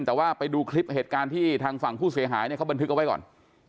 แต่ว่าไปดูคลิปเหตุการณ์ที่ทางฝั่งผู้เสียหายเนี่ยเขาบันทึกเอาไว้ก่อน